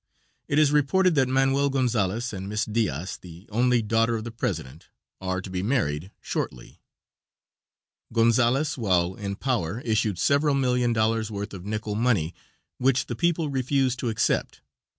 It is reported that Manuel Gonzales and Miss Diaz, the only daughter of the president, are to be married shortly. Gonzales while in power issued several million dollars' worth of nickel money, which the people refused to accept.